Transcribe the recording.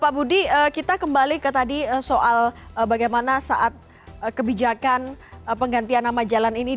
pak budi kita kembali ke tadi soal bagaimana saat kebijakan penggantian nama jalan ini